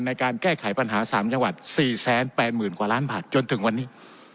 ในการแก้ไขปัญหาสามจาวัดสี่แสนแปดหมื่นกว่าล้านบาทจนถึงวันนี้